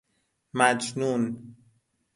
مجنون